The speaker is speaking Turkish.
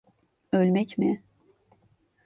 Ölmek mi?